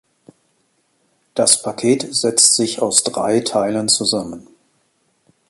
Das Paket setzt sich aus drei Teilen zusammen.